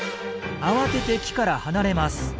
慌てて木から離れます。